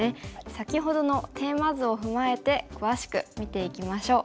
先ほどのテーマ図を踏まえて詳しく見ていきましょう。